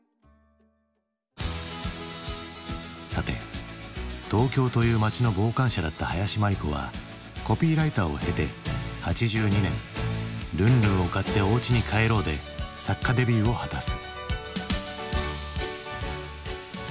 さて東京という街の傍観者だった林真理子はコピーライターを経て８２年「ルンルンを買っておうちに帰ろう」で作家デビューを果たす。